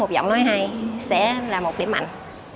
giọng nói hay sẽ là một điểm mạnh